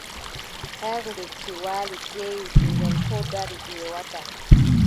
Her ndotti waali ƴeewi, ɓiŋngel koo dari ƴeewataa.